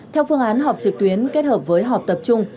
theo phương án họp trực tuyến kết hợp với họp tập trung